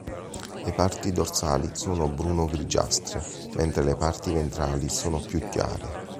Le parti dorsali sono bruno-grigiastre, mentre le parti ventrali sono più chiare.